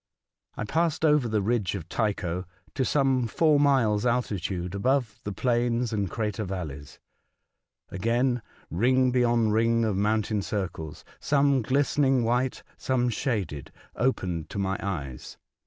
I passed over the ridge of Tycho to some four miles* altitude above the plains and crater valleys. Again ring beyond ring of mountain circles — some glistening white, some shaded — opened to my eyes.